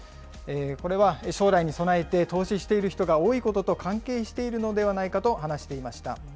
これは将来に備えて投資している人が多いことと関係しているのではないかと話していました。